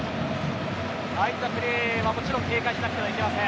相手プレーをもちろん警戒しなくてはいけません。